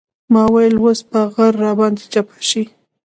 ما ويل اوس به غر راباندې چپه سي.